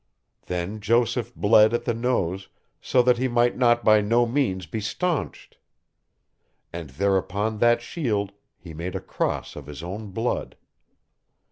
Then Joseph bled at the nose, so that he might not by no means be staunched. And there upon that shield he made a cross of his own blood.